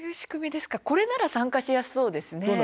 これなら参加しやすそうですね。